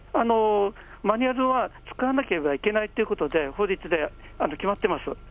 マニュアルは作らなければいけないということで、法律で決まってます。